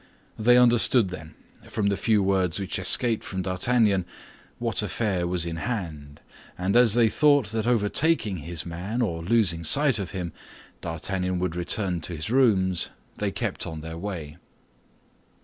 They understood, then, from the few words which escaped from D'Artagnan, what affair was in hand, and as they thought that overtaking his man, or losing sight of him, D'Artagnan would return to his rooms, they kept on their way.